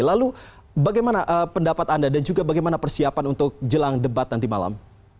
lalu bagaimana pendapat anda dan juga bagaimana persiapan untuk jelang debat nanti malam